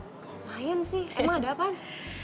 lumayan sih emang ada apa